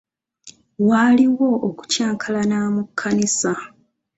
Waaliwo okukyankalana mu kkanisa.